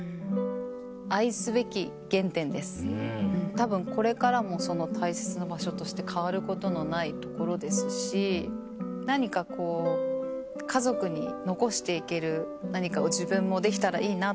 多分これからも大切な場所として変わることのない所ですし何かこう家族に残していける何かを自分もできたらいいなと思います。